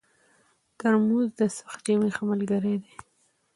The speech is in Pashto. ترموز د سخت ژمي ښه ملګری دی.